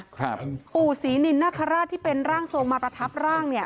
ปู่ศรีนินนคราชที่เป็นร่างทรงมาประทับร่างเนี่ย